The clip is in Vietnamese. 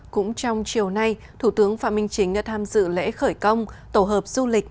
cũng trong chiều nay thủ tướng phạm minh chính đã tham dự lễ khởi công tổ hợp du lịch